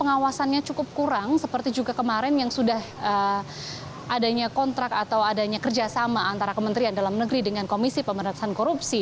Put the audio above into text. adanya kontrak atau adanya kerjasama antara kementerian dalam negeri dengan komisi pemerintahan korupsi